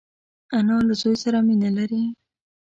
انا له زوی سره مینه لري